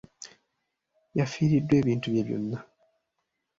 Yafiiriddwa ebintu bye byonna.